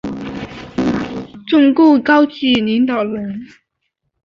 中共高级领导人。